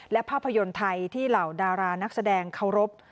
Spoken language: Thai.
และภาพยนตร์ไทยที่เหล่าดารานักแสดงเคารพ